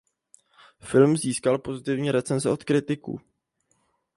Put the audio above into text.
Film získal pozitivní recenze od kritiků.